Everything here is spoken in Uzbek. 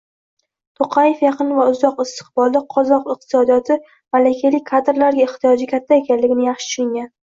Toqayev yaqin va uzoq istiqbolda qozoq istisodiyoti malakali kadrlarga ehtiyoji katta ekanligini yaxshi tushungan.